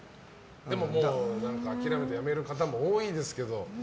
でも、もう諦めてやめる方も多いですけど。